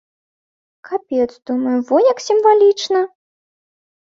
Капец, думаю, во як сімвалічна!